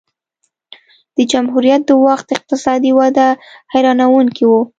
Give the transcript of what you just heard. د جمهوریت د وخت اقتصادي وده حیرانوونکې وه.